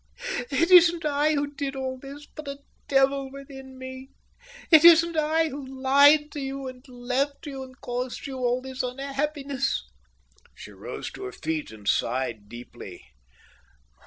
It isn't I who did all this, but a devil within me; it isn't I who lied to you and left you and caused you all this unhappiness." She rose to her feet and sighed deeply.